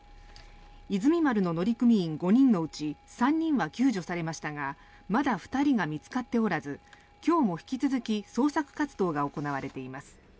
「いずみ丸」の乗組員５人のうち３人は救助されましたがまだ２人が見つかっておらず今日も引き続き捜索活動が行われています。